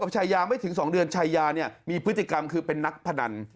ชายาเนี่ยมีพฤติกรรมคือเป็นนักพนัน